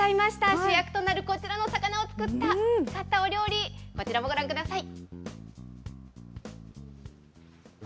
主役となるこちらの魚を使ったお料理、こちらをご覧ください。